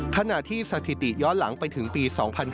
ขณะที่สถิติย้อนหลังไปถึงปี๒๕๕๙